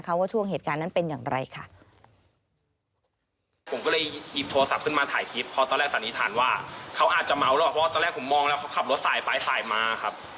เขาว่าช่วงเหตุการณ์นั้นเป็นอย่างไรค่ะ